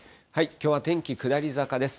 きょうは天気、下り坂です。